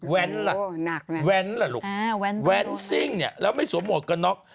แว้นละแว้นละลูกแว้นสิ้งนี่แล้วไม่สวมโหมดกันน็อก